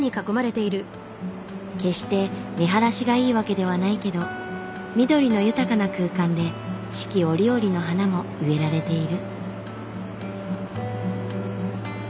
決して見晴らしがいいわけではないけど緑の豊かな空間で四季折々の花も植えられている。